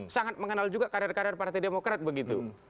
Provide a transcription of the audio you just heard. sangat mengenal juga karir karir partai demokrat begitu